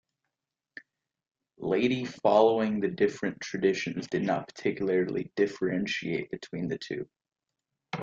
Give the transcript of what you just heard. Laity following the different traditions did not particularly differentiate between the two.